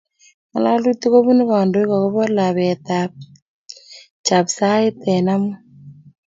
Ngalalutik kobun kandoik agobo lapatetab Chepsait eng amut